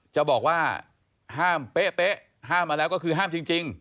จะบอกว่าห้ามเป๊ะห้ามมาแล้วก็คือห้ามจริง